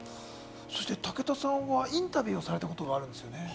武田さんはインタビューされたことがあるんですよね。